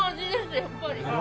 やっぱり。